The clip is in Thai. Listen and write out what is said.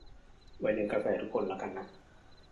ไว้เลี้ยงกาแฟทุกคนละกันนะ